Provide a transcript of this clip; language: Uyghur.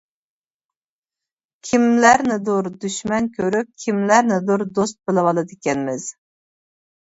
كىملەرنىدۇر دۈشمەن كۆرۈپ، كىملەرنىدۇر دوست بىلىۋالىدىكەنمىز.